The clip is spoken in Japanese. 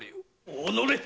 おのれ！